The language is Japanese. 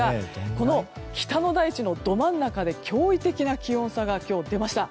この北の大地のど真ん中で驚異的な気温差が今日、出ました。